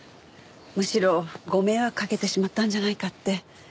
むしろご迷惑かけてしまったんじゃないかって。